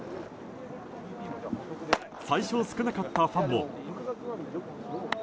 最初少なかったファンも。